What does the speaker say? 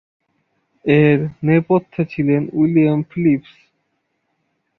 এর নেপথ্যে ছিলেন উইলিয়াম ফিলিপস।